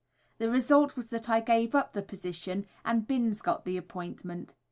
The result was that I gave up the position, and Binns got the appointment.